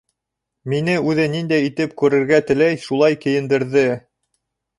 Мине үҙе ниндәй итеп күрергә теләй, шулай кейендерҙе.